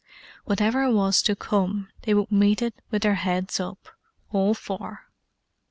Whatever was to come they would meet it with their heads up—all four.